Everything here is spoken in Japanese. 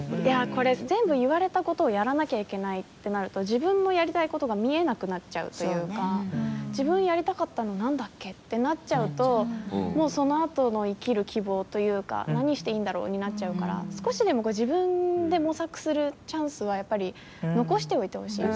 これ全部言われたことをやらなきゃいけないってなると自分のやりたいことが見えなくなっちゃうというか自分やりたかったのなんだっけってなっちゃうとそのあとの生きる希望というか何していいんだろうになっちゃうから少しでも自分で模索するチャンスは残しておいてほしい。